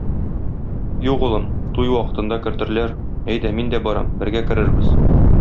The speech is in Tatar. Юк, улым, туй вакытында кертерләр, әйдә, мин дә барам, бергә керербез.